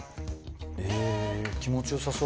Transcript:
え気持ちよさそう。